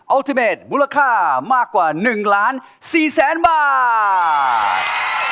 อัลติเมตต์มูลค่ามากกว่า๑ล้าน๔๐๐บาท